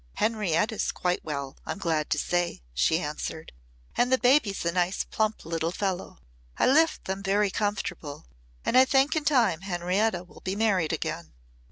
"Henrietta's quite well, I'm glad to say," she answered. "And the baby's a nice plump little fellow. I left them very comfortable and I think in time Henrietta will be married again."